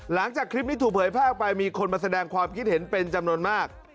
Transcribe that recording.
หลังจากคลิปนี้ถูกเผยแพร่ไปมีคนมาแสดงความคิดเห็นเป็นจำนวนมาก